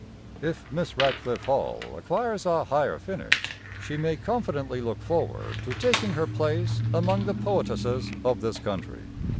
"If Miss Radclyffe Hall acquires a higher finish she may confidently look forward to taking her place among the poetesses of this country.